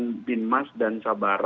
kejahatan binmas dan sabaran